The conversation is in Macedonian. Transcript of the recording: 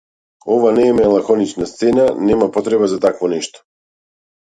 Ова не е меланхолична сцена, нема потреба за такво нешто.